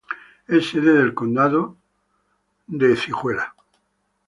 Es sede del condado de Presque Isle.